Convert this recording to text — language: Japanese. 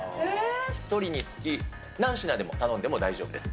１人につき何品でも頼んでも大丈夫です。